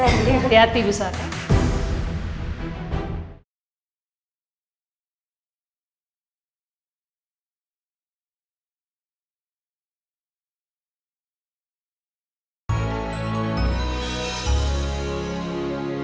hati hati ibu sarah